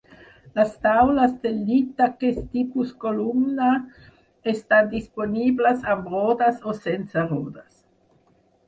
Les taules de llit d'aquest tipus columna, estan disponibles amb rodes o sense rodes.